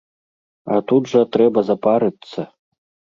А тут жа трэба запарыцца!